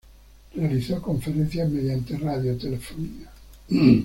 Realizó conferencias mediante radiotelefonía.